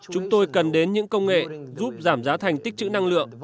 chúng tôi cần đến những công nghệ giúp giảm giá thành tích trữ năng lượng